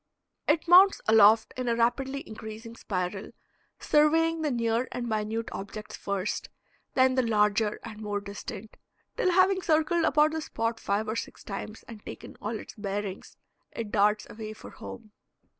It mounts aloft in a rapidly increasing spiral, surveying the near and minute objects first, then the larger and more distant, till having circled about the spot five or six times and taken all its bearings it darts away for home.